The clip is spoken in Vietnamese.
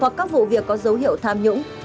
hoặc các vụ việc có dấu hiệu tham nhũng